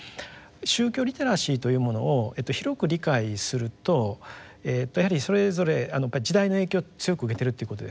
宗教リテラシーというものを広く理解するとやはりそれぞれやっぱり時代の影響を強く受けてるということです。